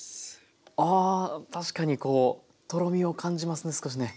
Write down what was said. あ確かにこうとろみを感じますね少しね。